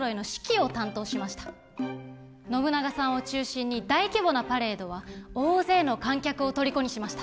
信長さんを中心に大規模なパレードは大勢の観客をとりこにしました。